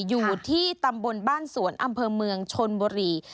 อยู่ที่ตำบลบ้านสวนอำเภอเมืองชนบุรี